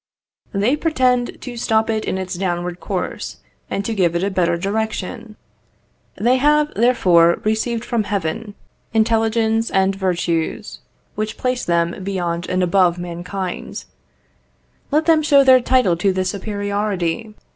They pretend, to stop it in its downward course, and to give it a better direction. They have, therefore, received from heaven, intelligence and virtues which place them beyond and above mankind: let them show their title to this superiority.